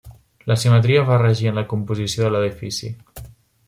La simetria va regir en la composició de l'edifici.